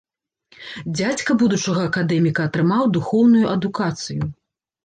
Дзядзька будучага акадэміка атрымаў духоўную адукацыю.